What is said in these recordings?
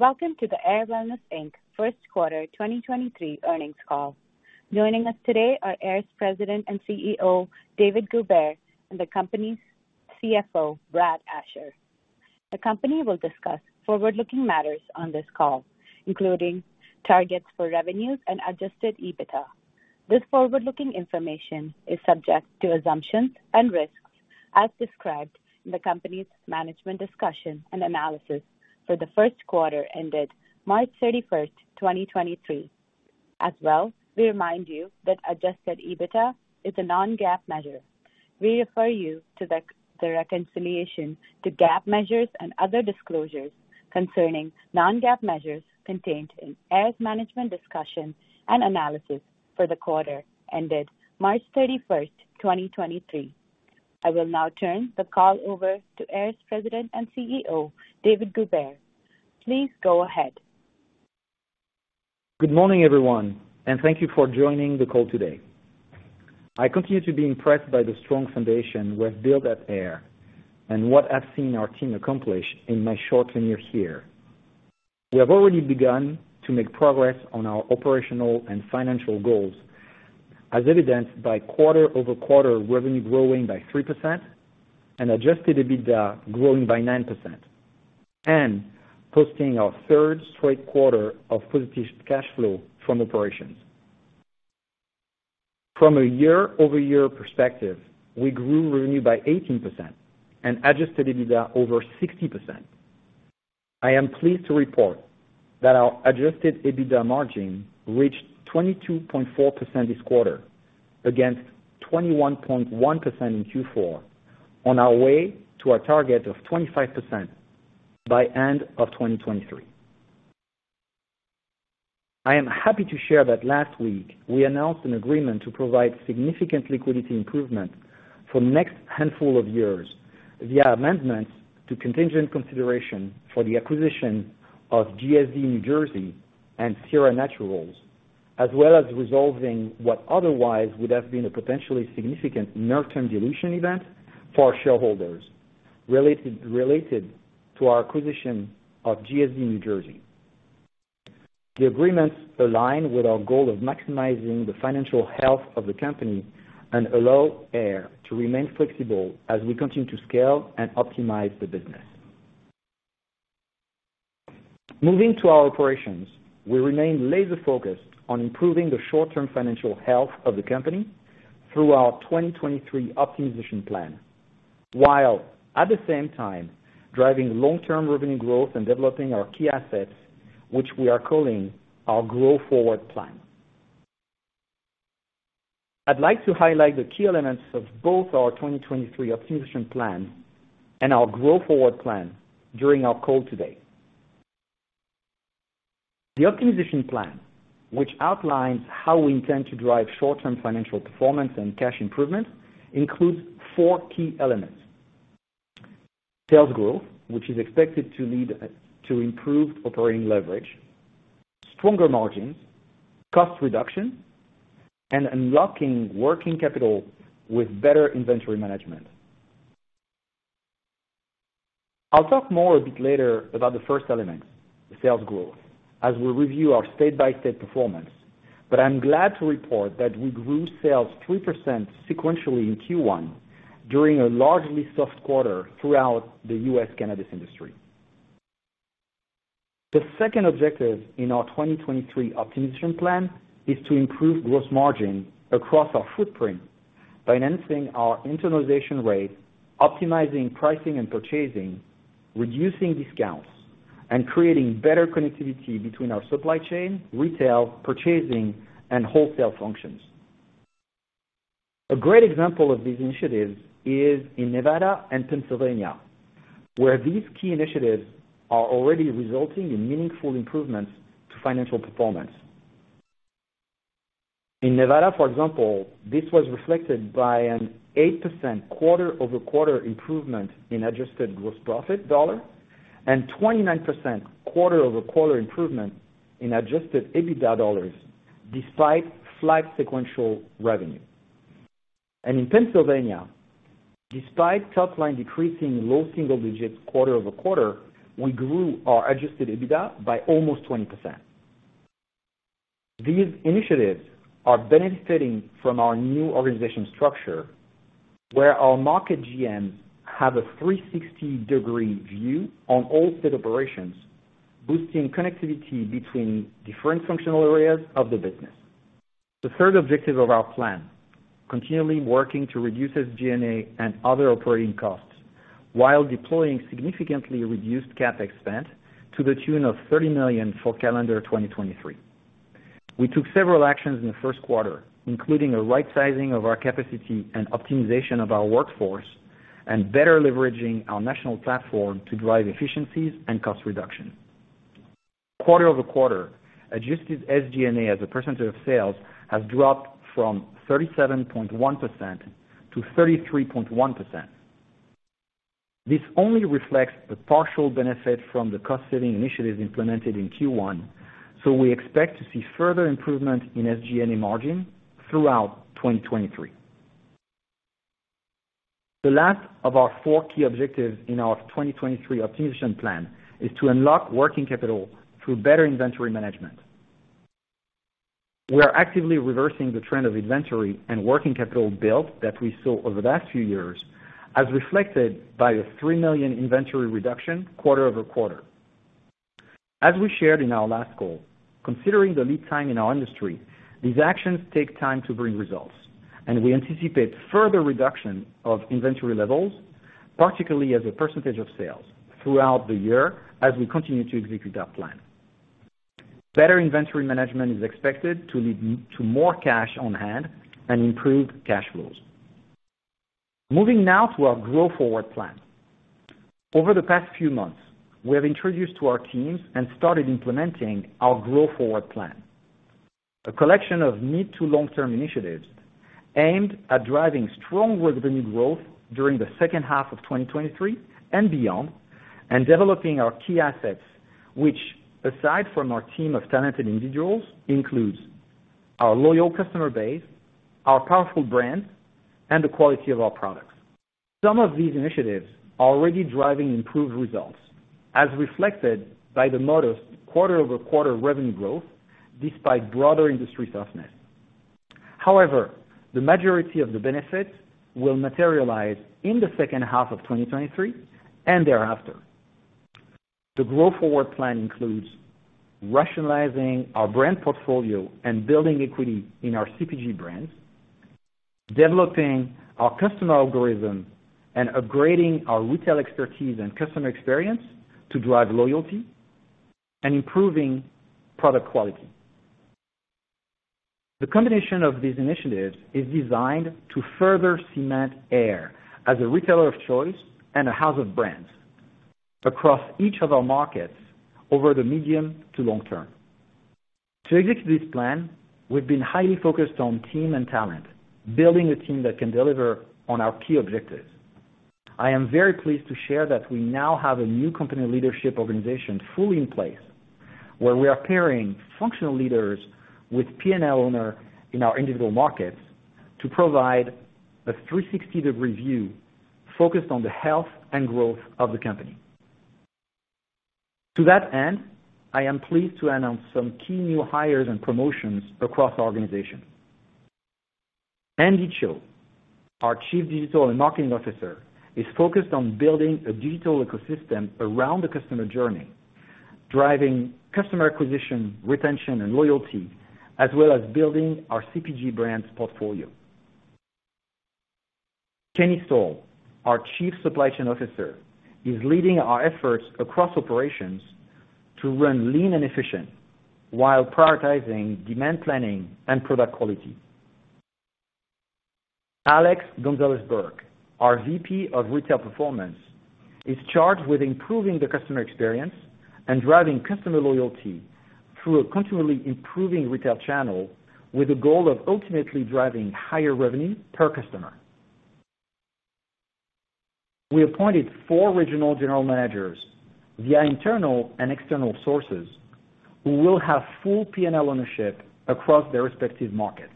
Welcome to the Ayr Wellness Inc. first quarter 2023 earnings call. Joining us today are Ayr's President and CEO, David Goubert, and the company's CFO, Brad Asher. The company will discuss forward-looking matters on this call, including targets for revenues and Adjusted EBITDA. This forward-looking information is subject to assumptions and risks as described in the company's management discussion and analysis for the first quarter ended March 31st, 2023. As well, we remind you that Adjusted EBITDA is a non-GAAP measure. We refer you to the reconciliation to GAAP measures and other disclosures concerning non-GAAP measures contained in Ayr's management discussion and analysis for the quarter ended March 31st, 2023. I will now turn the call over to Ayr's President and CEO, David Goubert. Please go ahead. Good morning, everyone, and thank you for joining the call today. I continue to be impressed by the strong foundation we have built at Ayr and what I've seen our team accomplish in my short tenure here. We have already begun to make progress on our operational and financial goals as evidenced by quarter-over-quarter revenue growing by 3% and Adjusted EBITDA growing by 9%, and posting our third straight quarter of positive cash flow from operations. From a year-over-year perspective, we grew revenue by 18% and Adjusted EBITDA over 60%. I am pleased to report that our Adjusted EBITDA margin reached 22.4% this quarter against 21.1% in Q4 on our way to our target of 25% by end of 2023. I am happy to share that last week we announced an agreement to provide significant liquidity improvement for next handful of years via amendments to contingent consideration for the acquisition of GSD New Jersey and Sira Naturals, as well as resolving what otherwise would have been a potentially significant near-term dilution event for our shareholders related to our acquisition of GSD New Jersey. The agreements align with our goal of maximizing the financial health of the company and allow Ayr to remain flexible as we continue to scale and optimize the business. Moving to our operations, we remain laser-focused on improving the short-term financial health of the company through our 2023 optimization plan, while at the same time driving long-term revenue growth and developing our key assets, which we are calling our Grow Forward Plan. I'd like to highlight the key elements of both our 2023 optimization plan and our Grow Forward Plan during our call today. The optimization plan, which outlines how we intend to drive short-term financial performance and cash improvement, includes four key elements. Sales growth, which is expected to lead to improved operating leverage, stronger margins, cost reduction, and unlocking working capital with better inventory management. I'll talk more a bit later about the first element, sales growth, as we review our state-by-state performance, but I'm glad to report that we grew sales 3% sequentially in Q1 during a largely soft quarter throughout the U.S. cannabis industry. The second objective in our 2023 optimization plan is to improve gross margin across our footprint by enhancing our internalization rate, optimizing pricing and purchasing, reducing discounts, and creating better connectivity between our supply chain, retail, purchasing, and wholesale functions. A great example of these initiatives is in Nevada and Pennsylvania, where these key initiatives are already resulting in meaningful improvements to financial performance. In Nevada, for example, this was reflected by an 8% quarter-over-quarter improvement in adjusted gross profit dollar and 29% quarter-over-quarter improvement in Adjusted EBITDA dollars despite flat sequential revenue. In Pennsylvania, despite top line decreasing low single digits quarter-over-quarter, we grew our Adjusted EBITDA by almost 20%. These initiatives are benefiting from our new organization structure, where our market GMs have a 360-degree view on all state operations, boosting connectivity between different functional areas of the business. The third objective of our plan, continually working to reduce SG&A and other operating costs while deploying significantly reduced CapEx spend to the tune of $30 million for calendar 2023. We took several actions in the first quarter, including a right sizing of our capacity and optimization of our workforce and better leveraging our national platform to drive efficiencies and cost reduction. quarter-over-quarter, Adjusted SG&A as a percentage of sales has dropped from 37.1%-33.1%. This only reflects the partial benefit from the cost-saving initiatives implemented in Q1. We expect to see further improvement in SG&A margin throughout 2023. The last of our four key objectives in our 2023 optimization plan is to unlock working capital through better inventory management. We are actively reversing the trend of inventory and working capital build that we saw over the last few years, as reflected by a $3 million inventory reduction quarter-over-quarter. As we shared in our last call, considering the lead time in our industry, these actions take time to bring results, and we anticipate further reduction of inventory levels, particularly as a percentage of sales throughout the year as we continue to execute our plan. Better inventory management is expected to lead to more cash on hand and improve cash flows. Moving now to our Grow Forward Plan. Over the past few months, we have introduced to our teams and started implementing our Grow Forward Plan, a collection of mid to long-term initiatives aimed at driving strong revenue growth during the second half of 2023 and beyond, and developing our key assets, which aside from our team of talented individuals, includes our loyal customer base, our powerful brand, and the quality of our products. Some of these initiatives are already driving improved results, as reflected by the modest quarter-over-quarter revenue growth despite broader industry softness. The majority of the benefits will materialize in the second half of 2023 and thereafter. The Grow Forward Plan includes rationalizing our brand portfolio and building equity in our CPG brands, developing our customer algorithm and upgrading our retail expertise and customer experience to drive loyalty and improving product quality. The combination of these initiatives is designed to further cement Ayr as a retailer of choice and a house of brands across each of our markets over the medium to long term. To execute this plan, we've been highly focused on team and talent, building a team that can deliver on our key objectives. I am very pleased to share that we now have a new company leadership organization fully in place, where we are pairing functional leaders with P&L owner in our individual markets to provide a 360-degree review focused on the health and growth of the company. To that end, I am pleased to announce some key new hires and promotions across the organization. Andy Cho, our Chief Digital and Marketing Officer, is focused on building a digital ecosystem around the customer journey, driving customer acquisition, retention, and loyalty, as well as building our CPG brands portfolio. Kenny Stoll, our Chief Supply Chain Officer, is leading our efforts across operations to run lean and efficient while prioritizing demand planning and product quality. Alex Gonzalez-Burke, our VP of Retail Performance, is charged with improving the customer experience and driving customer loyalty through a continually improving retail channel with the goal of ultimately driving higher revenue per customer. We appointed four regional general managers via internal and external sources who will have full P&L ownership across their respective markets.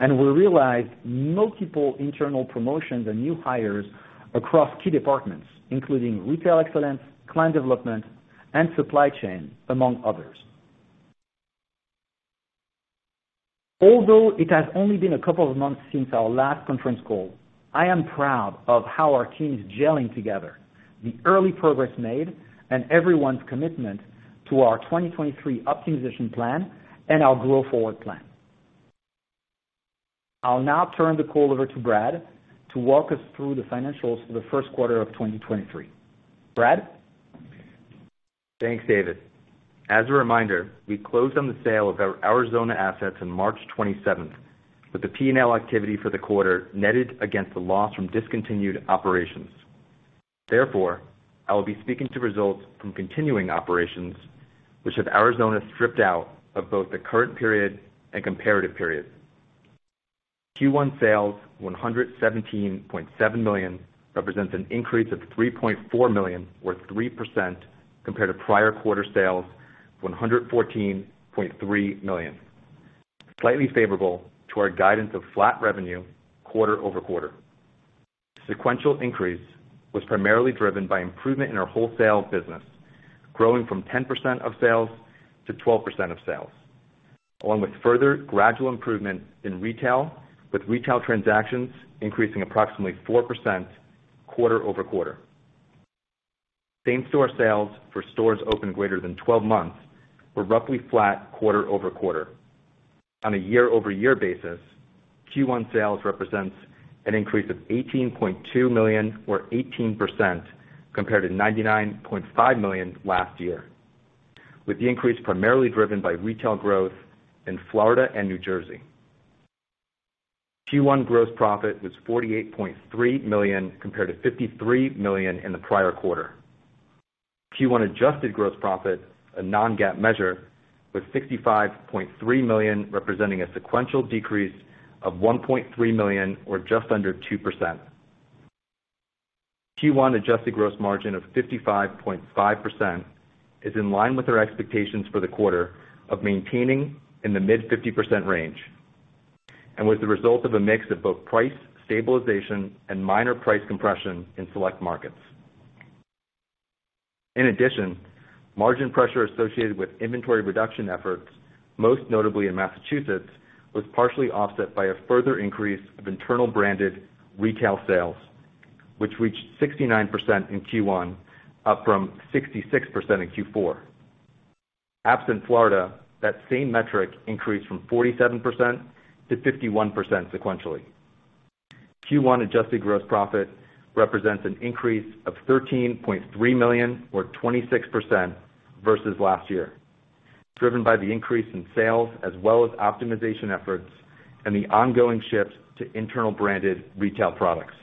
We realized multiple internal promotions and new hires across key departments, including retail excellence, client development, and supply chain, among others. Although it has only been a couple of months since our last conference call, I am proud of how our team is gelling together, the early progress made, and everyone's commitment to our 2023 optimization plan and our Grow Forward Plan. I'll now turn the call over to Brad to walk us through the financials for the first quarter of 2023. Brad? Thanks, David. As a reminder, we closed on the sale of our Arizona assets in March 27th, with the P&L activity for the quarter netted against the loss from discontinued operations. Therefore, I will be speaking to results from continuing operations, which have Arizona stripped out of both the current period and comparative period. Q1 sales, $117.7 million, represents an increase of $3.4 million or 3% compared to prior quarter sales of $114.3 million, slightly favorable to our guidance of flat revenue quarter-over-quarter. Sequential increase was primarily driven by improvement in our wholesale business, growing from 10% of sales to 12% of sales, along with further gradual improvement in retail, with retail transactions increasing approximately 4% quarter-over-quarter. Same-store sales for stores open greater than 12 months were roughly flat quarter-over-quarter. On a year-over-year basis, Q1 sales represents an increase of $18.2 million or 18% compared to $99.5 million last year, with the increase primarily driven by retail growth in Florida and New Jersey. Q1 gross profit was $48.3 million compared to $53 million in the prior quarter. Q1 Adjusted Gross Profit, a non-GAAP measure, was $65.3 million, representing a sequential decrease of $1.3 million or just under 2%. Q1 Adjusted Gross Margin of 55.5% is in line with our expectations for the quarter of maintaining in the mid-fifty percent range and was the result of a mix of both price stabilization and minor price compression in select markets. Margin pressure associated with inventory reduction efforts, most notably in Massachusetts, was partially offset by a further increase of internal branded retail sales, which reached 69% in Q1, up from 66% in Q4. Absent Florida, that same metric increased from 47%-51% sequentially. Q1 adjusted gross profit represents an increase of $13.3 million or 26% versus last year, driven by the increase in sales as well as optimization efforts and the ongoing shift to internal branded retail products.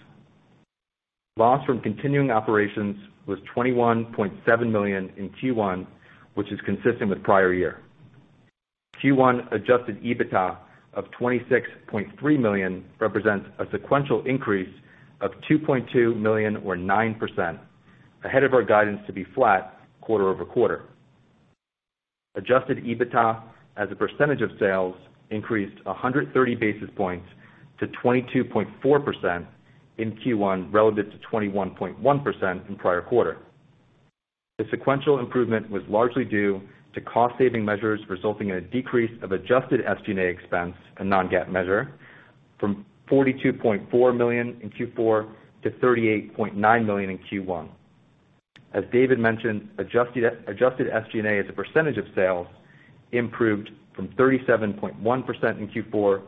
Loss from continuing operations was $21.7 million in Q1, which is consistent with prior year. Q1 Adjusted EBITDA of $26.3 million represents a sequential increase of $2.2 million or 9%, ahead of our guidance to be flat quarter-over-quarter. Adjusted EBITDA as a percentage of sales increased 130 basis points to 22.4% in Q1, relevant to 21.1% in prior quarter. The sequential improvement was largely due to cost saving measures, resulting in a decrease of adjusted SG&A expense and non-GAAP measure from $42.4 million in Q4 to $38.9 million in Q1. As David mentioned, adjusted SG&A as a percentage of sales improved from 37.1% in Q4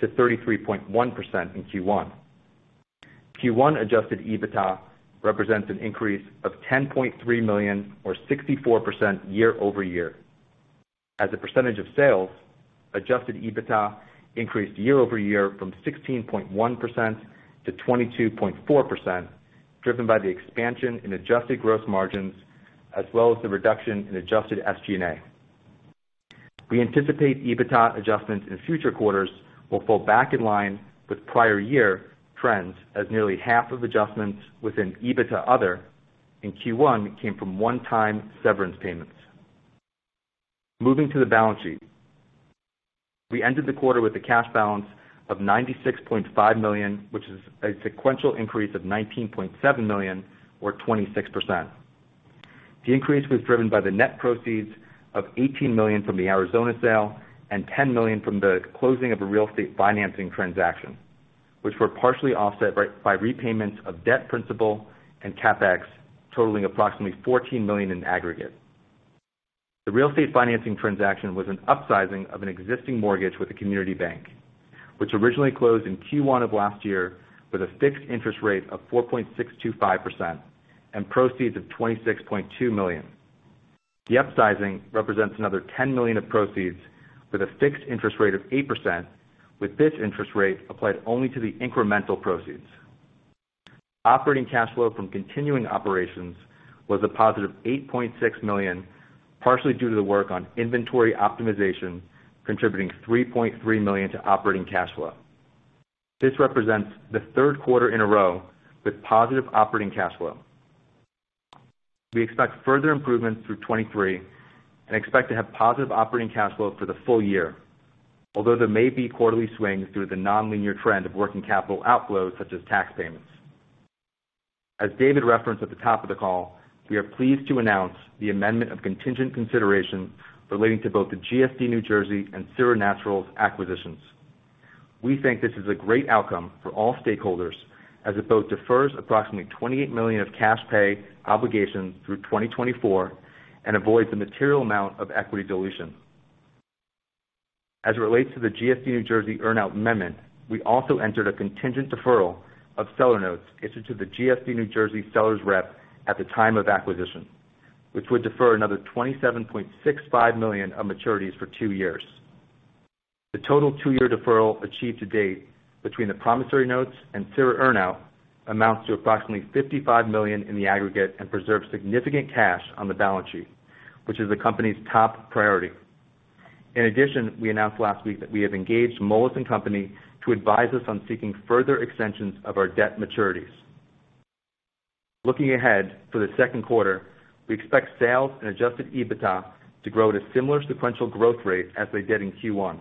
to 33.1% in Q1. Q1 adjusted EBITDA represents an increase of $10.3 million or 64% year-over-year. As a percentage of sales, adjusted EBITDA increased year-over-year from 16.1%-22.4%, driven by the expansion in adjusted gross margins as well as the reduction in adjusted SG&A. We anticipate EBITDA adjustments in future quarters will fall back in line with prior year trends, as nearly half of adjustments within EBITDA other in Q1 came from one-time severance payments. Moving to the balance sheet. We ended the quarter with a cash balance of $96.5 million, which is a sequential increase of $19.7 million or 26%. The increase was driven by the net proceeds of $18 million from the Arizona sale and $10 million from the closing of a real estate financing transaction, which were partially offset by repayments of debt principal and CapEx totaling approximately $14 million in aggregate. The real estate financing transaction was an upsizing of an existing mortgage with a community bank, which originally closed in Q1 of last year with a fixed interest rate of 4.625% and proceeds of $26.2 million. The upsizing represents another $10 million of proceeds with a fixed interest rate of 8%, with this interest rate applied only to the incremental proceeds. Operating cash flow from continuing operations was a positive $8.6 million, partially due to the work on inventory optimization, contributing $3.3 million to operating cash flow. This represents the third quarter in a row with positive operating cash flow. We expect further improvements through 2023 and expect to have positive operating cash flow for the full year. There may be quarterly swings due to the nonlinear trend of working capital outflows such as tax payments. As David referenced at the top of the call, we are pleased to announce the amendment of contingent consideration relating to both the GSD New Jersey and Sira Naturals acquisitions. We think this is a great outcome for all stakeholders as it both defers approximately $28 million of cash pay obligations through 2024 and avoids a material amount of equity dilution. As it relates to the GSD New Jersey earn out amendment, we also entered a contingent deferral of seller notes issued to the GSD New Jersey sellers rep at the time of acquisition, which would defer another $27.65 million of maturities for two years. The total two-year deferral achieved to date between the promissory notes and Sira earn out amounts to approximately $55 million in the aggregate and preserves significant cash on the balance sheet, which is the company's top priority. In addition, we announced last week that we have engaged Moelis & Company to advise us on seeking further extensions of our debt maturities. Looking ahead to the second quarter, we expect sales and Adjusted EBITDA to grow at a similar sequential growth rate as they did in Q1.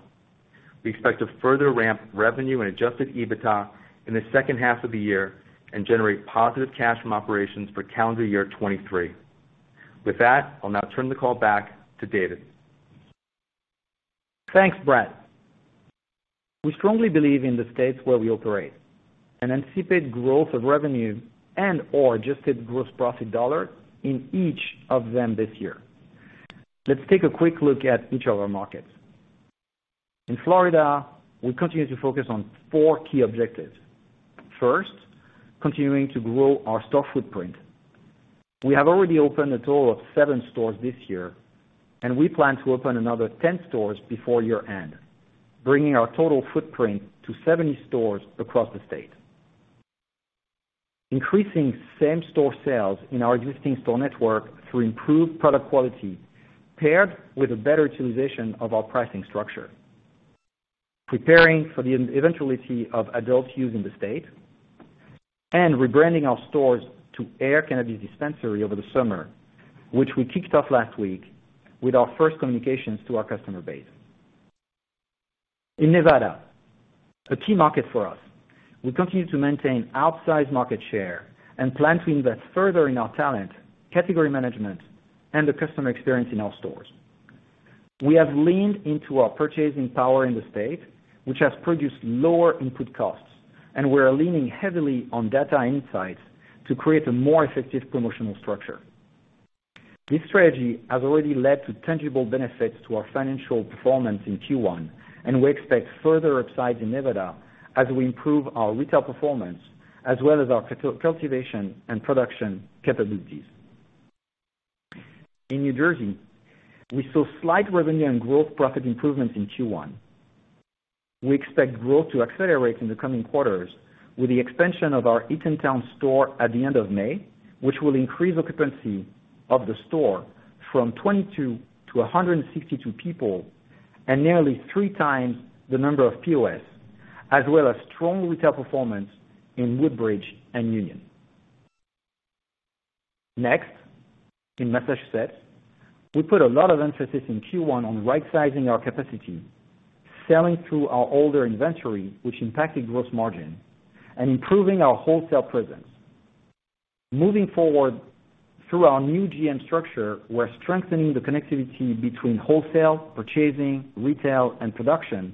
We expect to further ramp revenue and Adjusted EBITDA in the second half of the year and generate positive cash from operations for calendar year 2023. With that, I'll now turn the call back to David. Thanks, Brad. We strongly believe in the states where we operate and anticipate growth of revenue and or Adjusted gross profit dollars in each of them this year. Let's take a quick look at each of our markets. In Florida, we continue to focus on four key objectives. First, continuing to grow our store footprint. We have already opened a total of seven stores this year, and we plan to open another 10 stores before year-end, bringing our total footprint to 70 stores across the state. Increasing same-store sales in our existing store network through improved product quality, paired with a better utilization of our pricing structure. Preparing for the eventuality of adult use in the state and rebranding our stores to AYR Cannabis Dispensary over the summer, which we kicked off last week with our first communications to our customer base. In Nevada, a key market for us, we continue to maintain outsized market share and plan to invest further in our talent, category management, and the customer experience in our stores. We have leaned into our purchasing power in the state, which has produced lower input costs, and we are leaning heavily on data insights to create a more effective promotional structure. This strategy has already led to tangible benefits to our financial performance in Q1, and we expect further upside in Nevada as we improve our retail performance as well as our cultivation and production capabilities. In New Jersey, we saw slight revenue and gross profit improvements in Q1. We expect growth to accelerate in the coming quarters with the expansion of our Eatontown store at the end of May, which will increase occupancy of the store from 22-162 people and nearly three times the number of POSs, as well as strong retail performance in Woodbridge and Union. In Massachusetts, we put a lot of emphasis in Q1 on rightsizing our capacity, selling through our older inventory, which impacted gross margin, and improving our wholesale presence. Moving forward through our new GM structure, we're strengthening the connectivity between wholesale, purchasing, retail, and production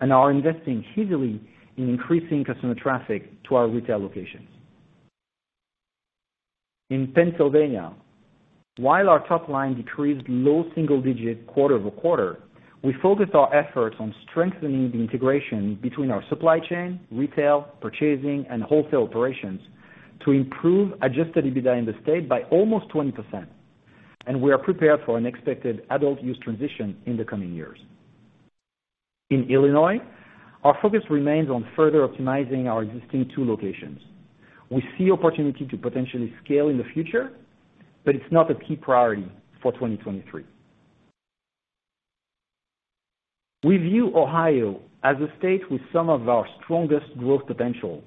and are investing heavily in increasing customer traffic to our retail locations. In Pennsylvania, while our top line decreased low single-digit quarter-over-quarter, we focused our efforts on strengthening the integration between our supply chain, retail, purchasing, and wholesale operations to improve Adjusted EBITDA in the state by almost 20%. We are prepared for an expected adult use transition in the coming years. In Illinois, our focus remains on further optimizing our existing two locations. We see opportunity to potentially scale in the future, but it's not a key priority for 2023. We view Ohio as a state with some of our strongest growth potential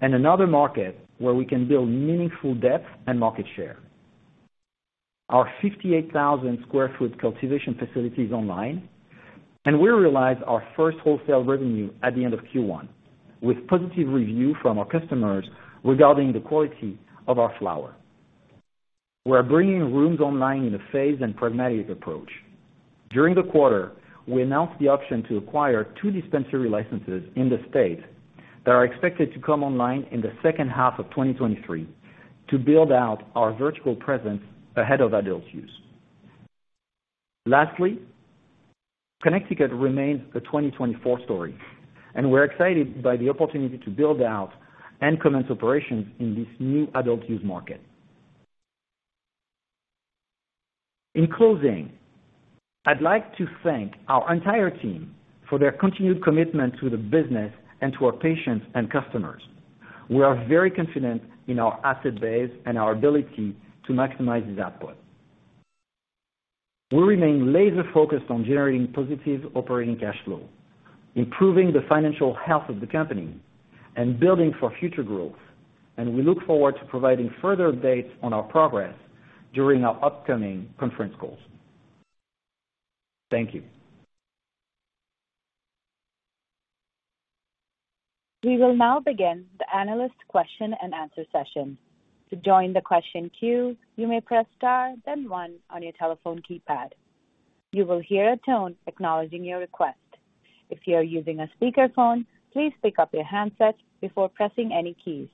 and another market where we can build meaningful depth and market share. Our 58,000 sq ft cultivation facility is online, and we realized our first wholesale revenue at the end of Q1 with positive review from our customers regarding the quality of our flower. We are bringing rooms online in a phased and pragmatic approach. During the quarter, we announced the option to acquire two dispensary licenses in the state that are expected to come online in the second half of 2023 to build out our vertical presence ahead of adult use. Connecticut remains a 2024 story, and we're excited by the opportunity to build out and commence operations in this new adult use market. In closing, I'd like to thank our entire team for their continued commitment to the business and to our patients and customers. We are very confident in our asset base and our ability to maximize its output. We remain laser-focused on generating positive operating cash flow, improving the financial health of the company, and building for future growth, and we look forward to providing further updates on our progress during our upcoming conference calls. Thank you. We will now begin the analyst question-and-answer session. To join the question queue, you may press star then one on your telephone keypad. You will hear a tone acknowledging your request. If you are using a speakerphone, please pick up your handset before pressing any keys.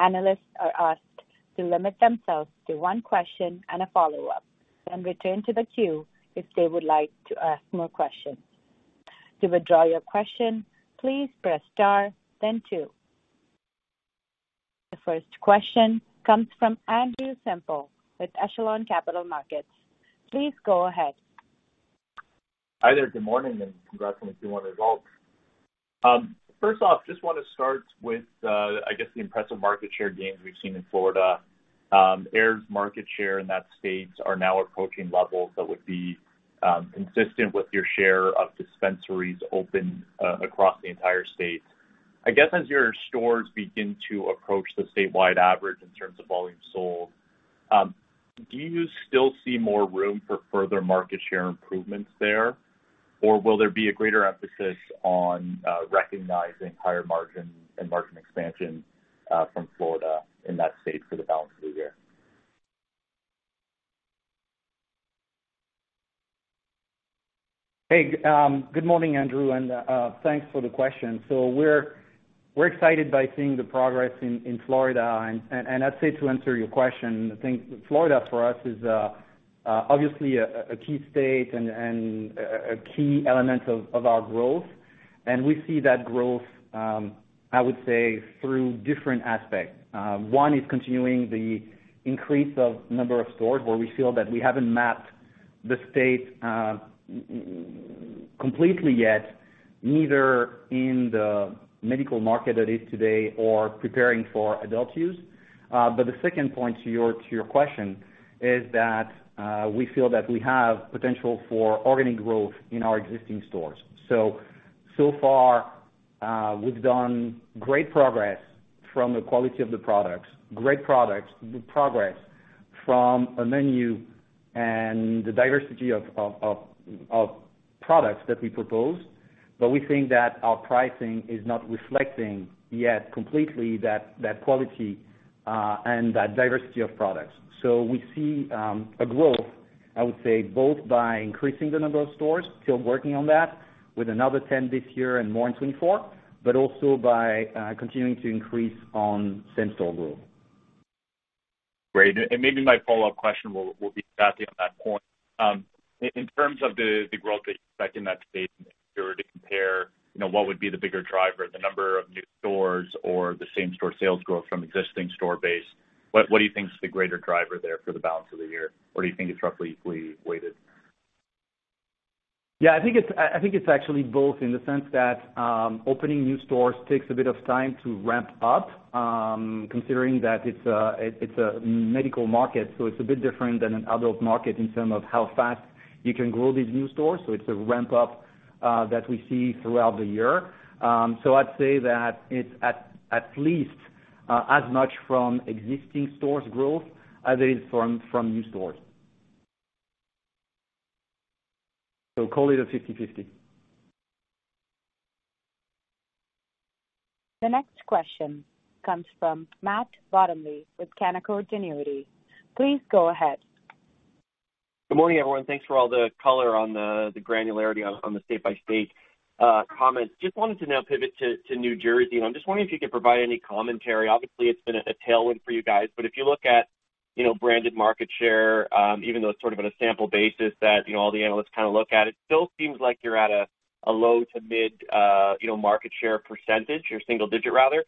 Analysts are asked to limit themselves to one question and a follow-up, then return to the queue if they would like to ask more questions. To withdraw your question, please press star then two. The first question comes from Andrew Semple with Echelon Capital Markets. Please go ahead. Hi there. Good morning, and congrats on the Q1 results. First off, just wanna start with, I guess the impressive market share gains we've seen in Florida. Ayr's market share in that state are now approaching levels that would be consistent with your share of dispensaries open across the entire state. I guess, as your stores begin to approach the statewide average in terms of volume sold, do you still see more room for further market share improvements there? Or will there be a greater emphasis on recognizing higher margins and margin expansion from Florida in that state for the balance of the year? Hey, good morning, Andrew, and thanks for the question. We're excited by seeing the progress in Florida. I'd say to answer your question, I think Florida for us is obviously a key state and a key element of our growth. We see that growth, I would say through different aspects. One is continuing the increase of number of stores where we feel that we haven't mapped the state completely yet, neither in the medical market that is today or preparing for adult use. The second point to your question is that we feel that we have potential for organic growth in our existing stores. So far, we've done great progress from the quality of the products, great products, good progress from a menu and the diversity of products that we propose. We think that our pricing is not reflecting yet completely that quality and that diversity of products. We see a growth, I would say, both by increasing the number of stores, still working on that with another 10 this year and more in 2024, but also by continuing to increase on same-store growth. Great. Maybe my follow-up question will be exactly on that point. In terms of the growth that you expect in that space and if you were to compare, you know, what would be the bigger driver, the number of new stores or the same-store sales growth from existing store base, what do you think is the greater driver there for the balance of the year? Do you think it's roughly equally weighted? Yeah, I think it's actually both in the sense that opening new stores takes a bit of time to ramp up, considering that it's a medical market, so it's a bit different than an adult market in terms of how fast you can grow these new stores. It's a ramp up that we see throughout the year. I'd say that it's at least as much from existing stores growth as it is from new stores. Call it a 50/50. The next question comes from Matt Bottomley with Canaccord Genuity. Please go ahead. Good morning, everyone. Thanks for all the color on the granularity on the state-by-state comments. Just wanted to now pivot to New Jersey. I'm just wondering if you could provide any commentary. Obviously, it's been a tailwind for you guys, but if you look at, you know, branded market share, even though it's sort of on a sample basis that, you know, all the analysts kind of look at it still seems like you're at a low to mid, you know, market share percentage or single digit rather.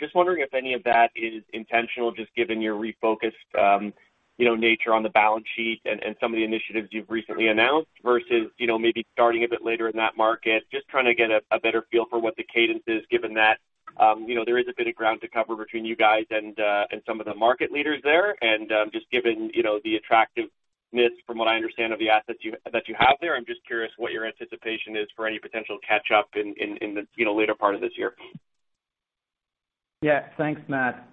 Just wondering if any of that is intentional, just given your refocused, you know, nature on the balance sheet and some of the initiatives you've recently announced versus, you know, maybe starting a bit later in that market. Just trying to get a better feel for what the cadence is given that, you know, there is a bit of ground to cover between you guys and some of the market leaders there. Just given, you know, the attractiveness from what I understand of the assets that you have there, I'm just curious what your anticipation is for any potential catch up in the, you know, later part of this year? Yeah. Thanks, Matt.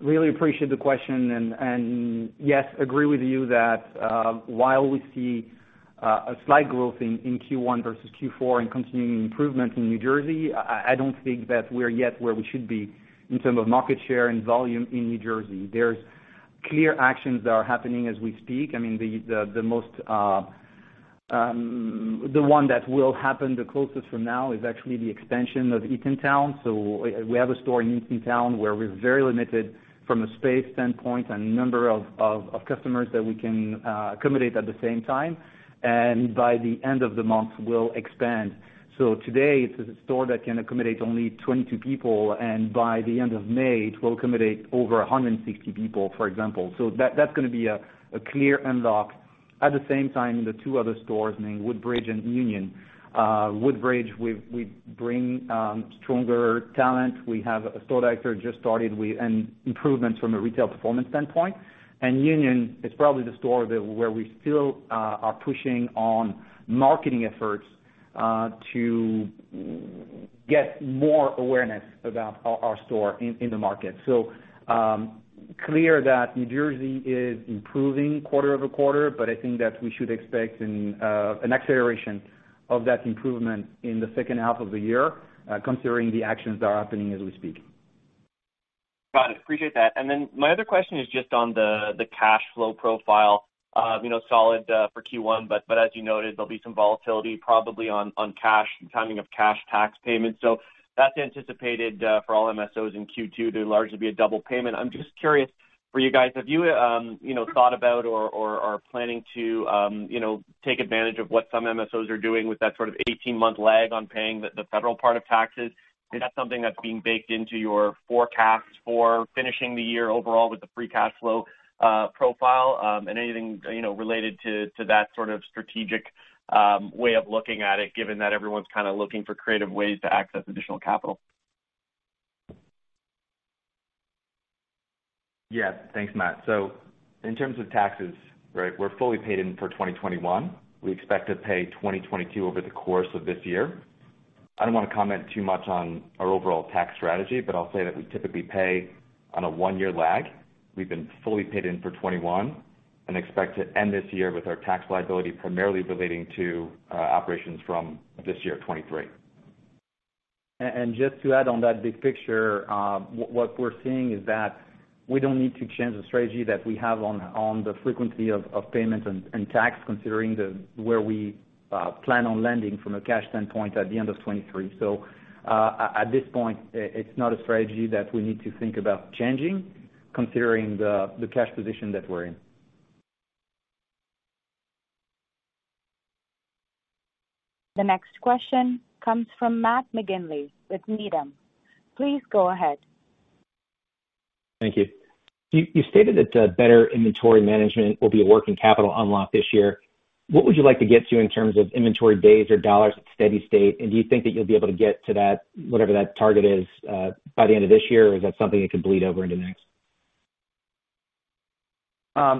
really appreciate the question. Yes, agree with you that while we see a slight growth in Q1 versus Q4 and continuing improvement in New Jersey, I don't think that we're yet where we should be in terms of market share and volume in New Jersey. There's clear actions that are happening as we speak. I mean, the most, the one that will happen the closest from now is actually the expansion of Eatontown. We have a store in Eatontown where we're very limited from a space standpoint and number of customers that we can accommodate at the same time, and by the end of the month will expand. Today, it's a store that can accommodate only 22 people, and by the end of May, it will accommodate over 160 people, for example. That's gonna be a clear unlock. At the same time, the two other stores named Woodbridge and Union. Woodbridge, we bring stronger talent. We have a store director just started an improvement from a retail performance standpoint. Union is probably the store that where we still are pushing on marketing efforts to get more awareness about our store in the market. Clear that New Jersey is improving quarter-over-quarter, but I think that we should expect an acceleration of that improvement in the second half of the year considering the actions that are happening as we speak. Got it. Appreciate that. My other question is just on the cash flow profile. you know, solid for Q1, but as you noted, there'll be some volatility probably on cash and timing of cash tax payments. That's anticipated for all MSOs in Q2 to largely be a double payment. I'm just curious for you guys, have you know, thought about or are planning to, you know, take advantage of what some MSOs are doing with that sort of 18-month lag on paying the federal part of taxes? Is that something that's being baked into your forecasts for finishing the year overall with the free cash flow profile, and anything, you know, related to that sort of strategic way of looking at it, given that everyone's kind of looking for creative ways to access additional capital? Yes. Thanks, Matt. In terms of taxes, right, we're fully paid in for 2021. We expect to pay 2022 over the course of this year. I don't wanna comment too much on our overall tax strategy, but I'll say that we typically pay on a one-year lag. We've been fully paid in for 2021 and expect to end this year with our tax liability primarily relating to operations from this year, 2023. Just to add on that big picture, what we're seeing is that we don't need to change the strategy that we have on the frequency of payments and tax considering the, where we plan on landing from a cash standpoint at the end of 2023. At this point, it's not a strategy that we need to think about changing considering the cash position that we're in. The next question comes from Matt McGinley with Needham. Please go ahead. Thank you. You stated that better inventory management will be a working capital unlock this year. What would you like to get to in terms of inventory days or dollars at steady state? Do you think that you'll be able to get to that, whatever that target is, by the end of this year, or is that something that could bleed over into next?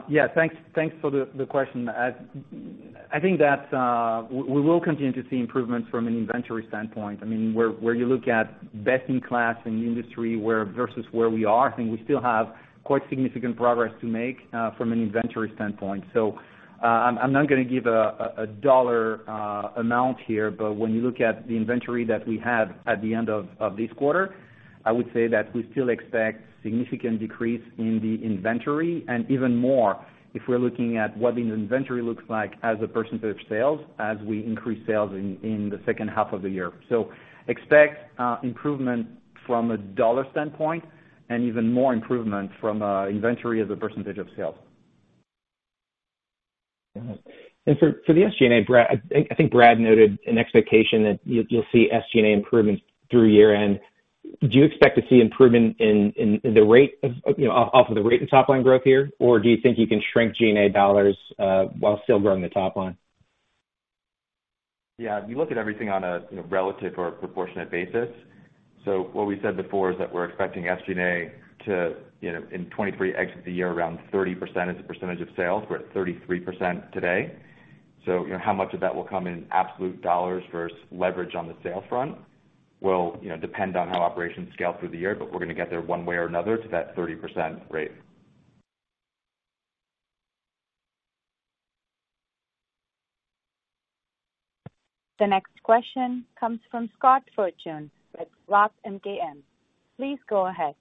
Yeah, thanks for the question. I think that we will continue to see improvements from an inventory standpoint. I mean, where you look at best in class in the industry, versus where we are, I think I still have quite significant progress to make from an inventory standpoint. I'm not gonna give a dollar amount here, but when you look at the inventory that we have at the end of this quarter, I would say that we still expect significant decrease in the inventory and even more if we're looking at what the inventory looks like as a percentage of sales as we increase sales in the second half of the year. Expect improvement from a dollar standpoint and even more improvement from inventory as a percentage of sales. For the SG&A, Brad, I think Brad noted an expectation that you'll see SG&A improvements through year-end. Do you expect to see improvement in the rate of, you know, off of the rate in top line growth here, or do you think you can shrink G&A dollars while still growing the top line? Yeah. If you look at everything on a, you know, relative or a proportionate basis. What we said before is that we're expecting SG&A to, you know, in 2023 exit the year around 30% as a percentage of sales. We're at 33% today. How much of that will come in absolute dollars versus leverage on the sales front will, you know, depend on how operations scale through the year, but we're gonna get there one way or another to that 30% rate. The next question comes from Scott Fortune with ROTH MKM. Please go ahead.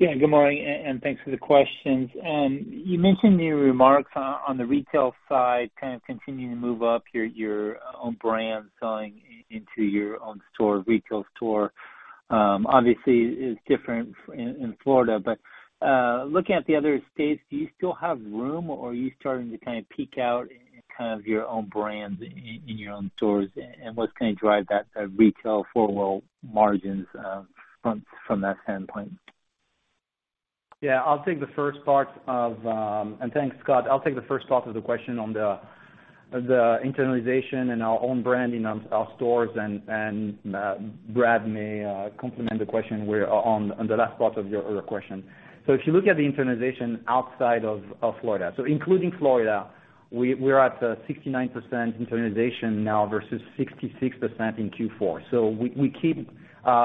Yeah, good morning, and thanks for the questions. You mentioned in your remarks on the retail side, kind of continuing to move up your own brand, selling into your own store, retail store, obviously is different in Florida. Looking at the other states, do you still have room or are you starting to kind of peak out in kind of your own brands in your own stores, and what's gonna drive that retail forward margins from that standpoint? Yeah, I'll take the first part of the question. Thanks, Scott. I'll take the first part of the question on the internalization and our own brand in our stores, and Brad may complement the question on the last part of your question. If you look at the internalization outside of Florida. Including Florida, we're at 69% internalization now versus 66% in Q4. We keep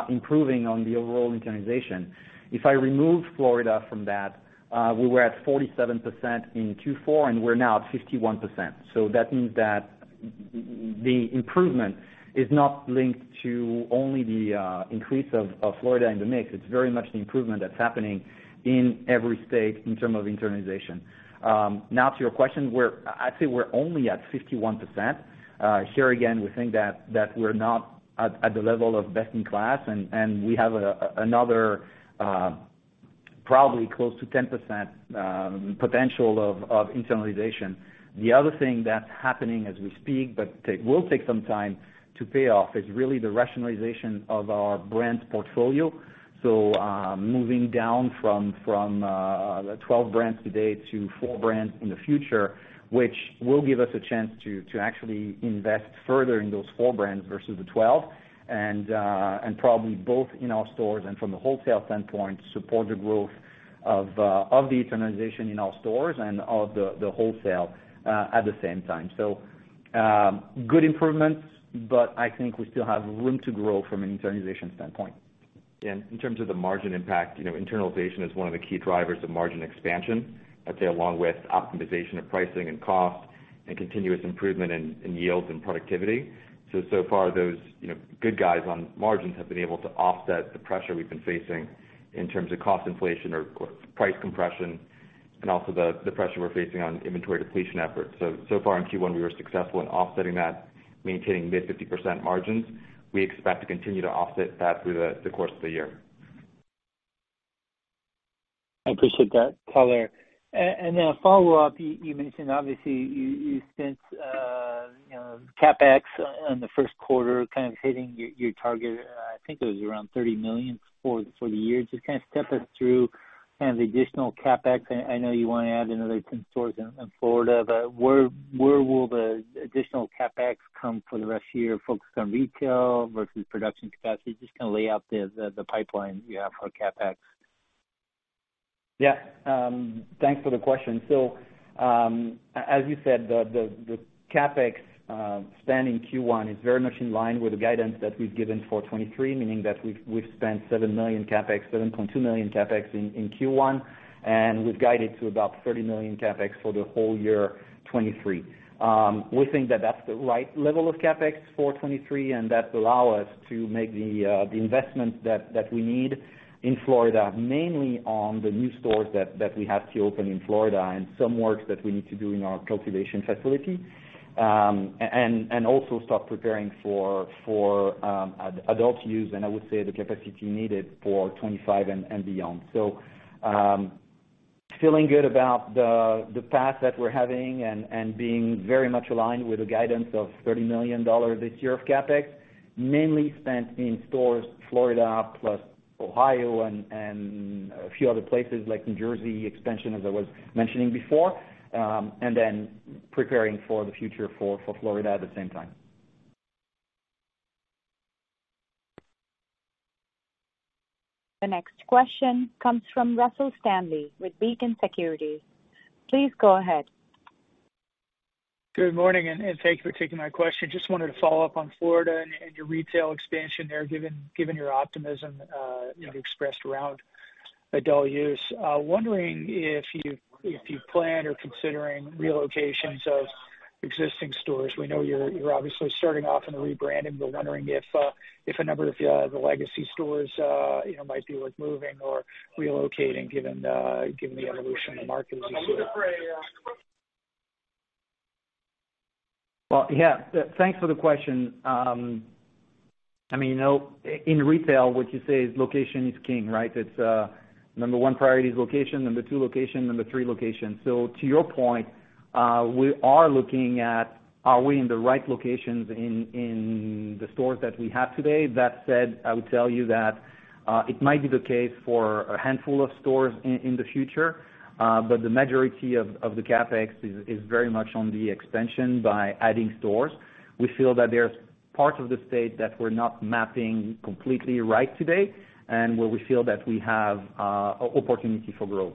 improving on the overall internalization. If I remove Florida from that, we were at 47% in Q4, and we're now at 51%. That means that the improvement is not linked to only the increase of Florida in the mix. It's very much the improvement that's happening in every state in term of internalization. Now to your question, I'd say we're only at 51%. Here, again, we think that we're not at the level of best in class, and we have another, probably close to 10%, potential of internalization. The other thing that's happening as we speak, but will take some time to pay off, is really the rationalization of our brand portfolio. Moving down from the 12 brands today to four brands in the future, which will give us a chance to actually invest further in those four brands versus the 12 brands. Probably both in our stores and from a wholesale standpoint, support the growth of the internalization in our stores and of the wholesale at the same time. Good improvements, but I think we still have room to grow from an internalization standpoint. Yeah. In terms of the margin impact, you know, internalization is one of the key drivers of margin expansion. I'd say along with optimization of pricing and cost and continuous improvement in yields and productivity. So far those, you know, good guys on margins have been able to offset the pressure we've been facing in terms of cost inflation or price compression and also the pressure we're facing on inventory depletion efforts. So far in Q1, we were successful in offsetting that, maintaining mid 50% margins. We expect to continue to offset that through the course of the year. I appreciate that color. And then a follow-up. You mentioned obviously, you spent, you know, CapEx on the first quarter, kind of hitting your target. I think it was around $30 million for the year. Just kind of step us through kind of the additional CapEx. I know you wanna add another 10 stores in Florida, but where will the additional CapEx come for the rest of the year focused on retail versus production capacity? Just kind of lay out the pipeline you have for CapEx. Yeah. Thanks for the question. As you said, the CapEx spend in Q1 is very much in line with the guidance that we've given for 2023, meaning that we've spent $7 million CapEx, $7.2 million CapEx in Q1, and we've guided to about $30 million CapEx for the whole year 2023. We think that that's the right level of CapEx for 2023, and that will allow us to make the investments that we need in Florida, mainly on the new stores that we have to open in Florida and some works that we need to do in our cultivation facility. And also start preparing for adult use, and I would say the capacity needed for 2025 and beyond. feeling good about the path that we're having and being very much aligned with the guidance of $30 million this year of CapEx, mainly spent in stores, Florida plus Ohio and a few other places like New Jersey expansion, as I was mentioning before, and then preparing for the future for Florida at the same time. The next question comes from Russell Stanley with Beacon Securities. Please go ahead. Good morning, and thank you for taking my question. Just wanted to follow up on Florida and your retail expansion there, given your optimism you expressed around adult use. Wondering if you plan or considering relocations of existing stores. We know you're obviously starting off in the rebranding. Wondering if a number of your legacy stores, you know, might be worth moving or relocating given the evolution of the market as you said. Well, yeah. Thanks for the question. I mean, you know, in retail, what you say is location is king, right? It's number one priority is location, number two location, number three location. To your point, we are looking at are we in the right locations in the stores that we have today. That said, I would tell you that it might be the case for a handful of stores in the future, but the majority of the CapEx is very much on the expansion by adding stores. We feel that there's parts of the state that we're not mapping completely right today and where we feel that we have opportunity for growth.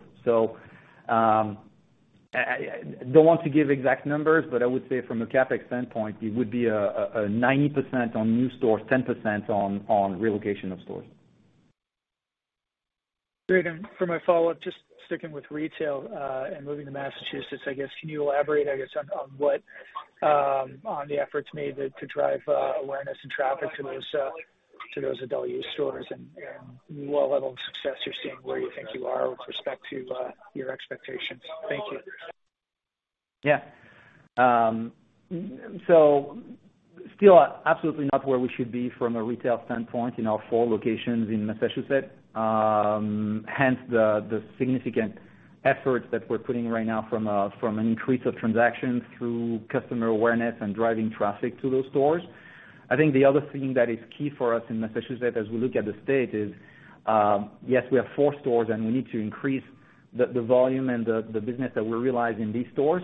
I don't want to give exact numbers, but I would say from a CapEx standpoint, it would be a 90% on new stores, 10% on relocation of stores. Great. For my follow-up, just sticking with retail, and moving to Massachusetts, I guess, can you elaborate, I guess, on what on the efforts made to drive awareness and traffic to those adult use stores and what level of success you're seeing, where you think you are with respect to your expectations? Thank you. Yeah. Still absolutely not where we should be from a retail standpoint in our four locations in Massachusetts. Hence the significant efforts that we're putting right now from an increase of transactions through customer awareness and driving traffic to those stores. I think the other thing that is key for us in Massachusetts as we look at the state is, yes, we have four stores, and we need to increase the volume and the business that we realize in these stores.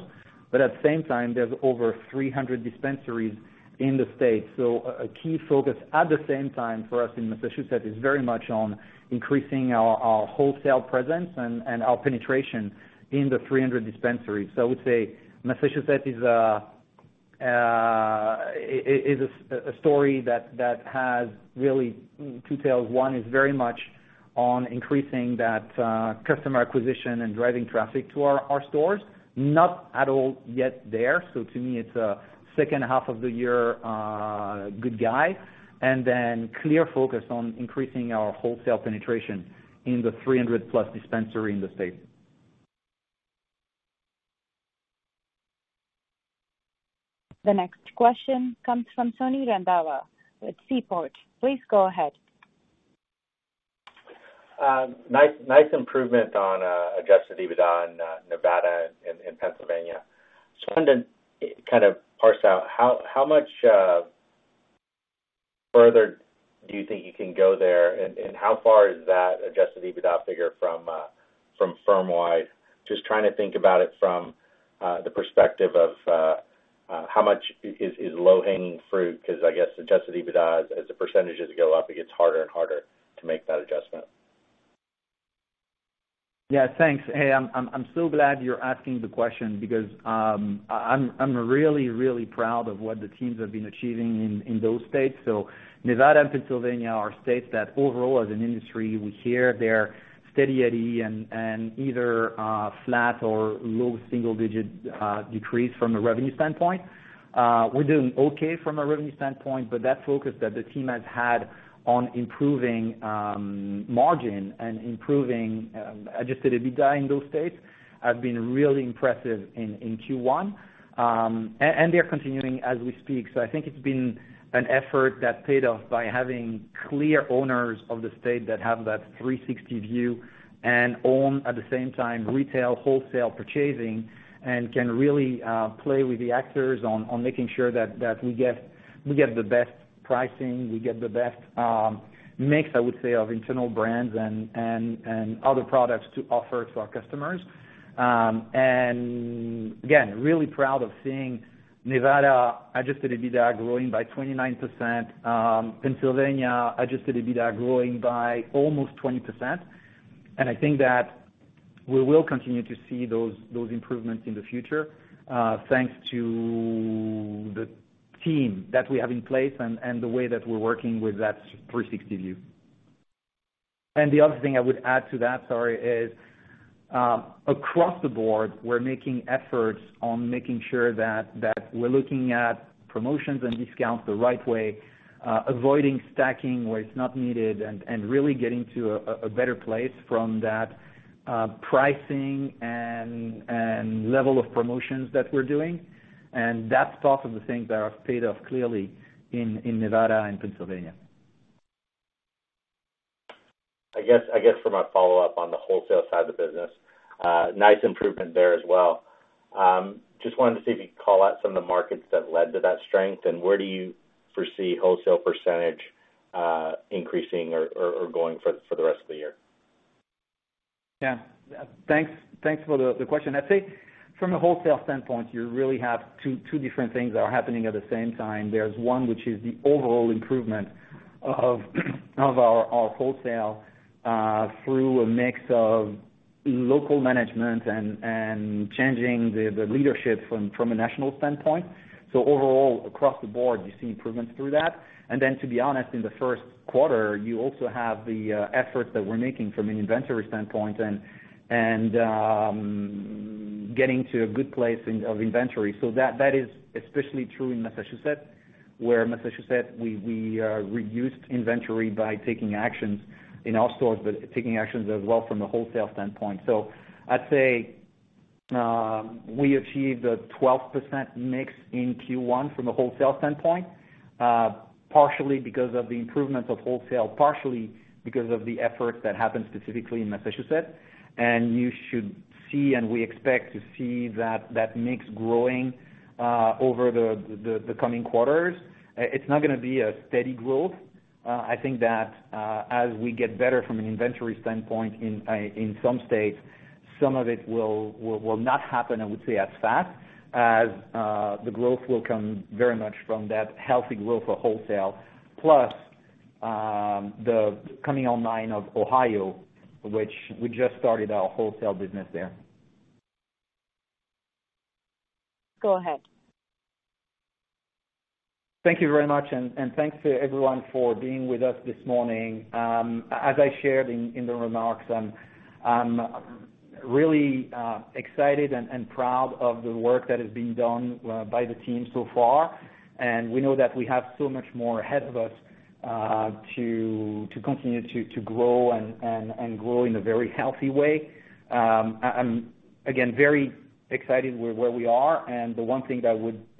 At the same time, there's over 300 dispensaries in the state. A key focus at the same time for us in Massachusetts is very much on increasing our wholesale presence and our penetration in the 300 dispensaries. I would say Massachusetts is a story that has really two tails. One is very much on increasing that customer acquisition and driving traffic to our stores. Not at all yet there. To me, it's a second half of the year good guide. Clear focus on increasing our wholesale penetration in the 300+ dispensary in the state. The next question comes from Sonny Randhawa with Seaport. Please go ahead. Nice improvement on Adjusted EBITDA in Nevada and Pennsylvania. Just wanted to kind of parse out how much further do you think you can go there? How far is that Adjusted EBITDA figure from firm-wide? Just trying to think about it from the perspective of how much is low-hanging fruit? Because I guess Adjusted EBITDA, as the percentage go up, it gets harder and harder to make that adjustment. Yeah. Thanks. Hey, I'm still glad you're asking the question because, I'm really, really proud of what the teams have been achieving in those states. Nevada and Pennsylvania are states that overall as an industry, we hear they're steady Eddie and either flat or low single digit decrease from a revenue standpoint. We're doing okay from a revenue standpoint, that focus that the team has had on improving margin and improving Adjusted EBITDA in those states have been really impressive in Q1. They're continuing as we speak. I think it's been an effort that paid off by having clear owners of the state that have that 360-degree view and own, at the same time, retail, wholesale purchasing and can really play with the actors on making sure that we get the best pricing. We get the best mix, I would say, of internal brands and other products to offer to our customers. And again, really proud of seeing Nevada Adjusted EBITDA growing by 29%, Pennsylvania Adjusted EBITDA growing by almost 20%. I think that we will continue to see those improvements in the future, thanks to the team that we have in place and the way that we're working with that 360-degree view. The other thing I would add to that, sorry, is across the board, we're making efforts on making sure that we're looking at promotions and discounts the right way, avoiding stacking where it's not needed, and really getting to a better place from that pricing and level of promotions that we're doing. That's part of the things that have paid off clearly in Nevada and Pennsylvania. I guess for my follow-up on the wholesale side of the business, nice improvement there as well. Just wanted to see if you could call out some of the markets that led to that strength, and where do you foresee wholesale percentage increasing or going for the rest of the year? Yeah. Thanks for the question. I'd say from a wholesale standpoint, you really have two different things that are happening at the same time. There's one which is the overall improvement of our wholesale through a mix of local management and changing the leadership from a national standpoint. Overall, across the board, you see improvements through that. Then to be honest, in the first quarter, you also have the efforts that we're making from an inventory standpoint and getting to a good place in of inventory. That is especially true in Massachusetts, where Massachusetts, we reduced inventory by taking actions in all stores, but taking actions as well from a wholesale standpoint. I'd say, we achieved a 12% mix in Q1 from a wholesale standpoint, partially because of the improvements of wholesale, partially because of the efforts that happened specifically in Massachusetts. You should see, and we expect to see that mix growing over the coming quarters. It's not gonna be a steady growth. I think that, as we get better from an inventory standpoint in some states, some of it will not happen, I would say, as fast, as the growth will come very much from that healthy growth of wholesale. Plus, the coming online of Ohio, which we just started our wholesale business there. Go ahead. Thank you very much, and thanks to everyone for being with us this morning. As I shared in the remarks, I'm really excited and proud of the work that is being done by the team so far. We know that we have so much more ahead of us to continue to grow and grow in a very healthy way. I'm, again, very excited where we are, and the one thing that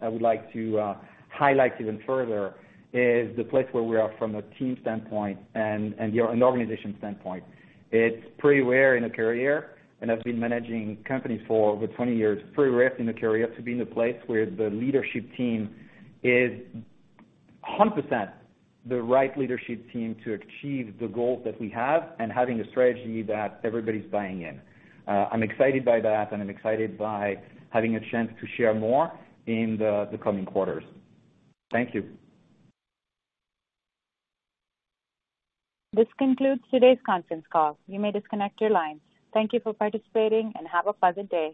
I would like to highlight even further is the place where we are from a team standpoint and an organization standpoint. It's pretty rare in a career, I've been managing companies for over 20 years, pretty rare in a career to be in a place where the leadership team is 100% the right leadership team to achieve the goals that we have and having a strategy that everybody's buying in. I'm excited by that, I'm excited by having a chance to share more in the coming quarters. Thank you. This concludes today's conference call. You may disconnect your line. Thank you for participating, and have a pleasant day.